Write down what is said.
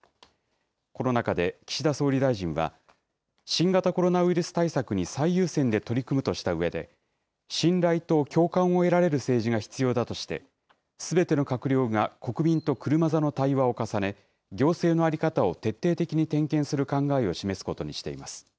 この中で岸田総理大臣は、新型コロナウイルス対策に最優先で取り組むとしたうえで、信頼と共感を得られる政治が必要だとして、すべての閣僚が国民と車座の対話を重ね、行政の在り方を徹底的に点検する考えを示すことにしています。